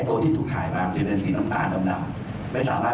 ก็ดูความต่อเนื่องในส่วนหนึ่งครับ